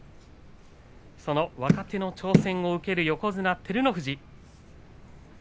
その若手の挑戦を受ける横綱照ノ富士。